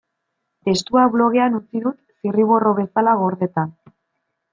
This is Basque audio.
Testua blogean utzi dut, zirriborro bezala gordeta.